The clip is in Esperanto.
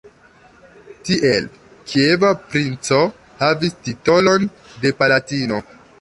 Tiel, kieva princo havis titolon de "palatino".